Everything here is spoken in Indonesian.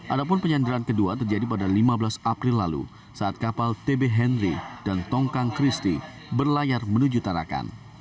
adapun penyanderaan kedua terjadi pada lima belas april lalu saat kapal tb henry dan tongkang christie berlayar menuju tarakan